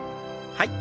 はい。